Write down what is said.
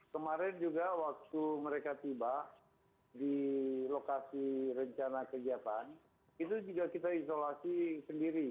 kemarin juga waktu mereka tiba di lokasi rencana kegiatan itu juga kita isolasi sendiri